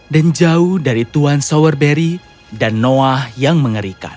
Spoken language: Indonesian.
dan jauh dari tuan sowerberry dan noah yang mengerikan